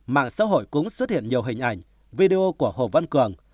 mạng xã hội cũng xuất hiện nhiều hình ảnh video của hồ văn cường